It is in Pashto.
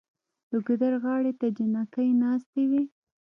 د ګودر غاړې ته جینکۍ ناستې وې